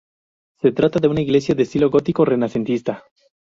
Se trata de una iglesia de estilo gótico-renacentista.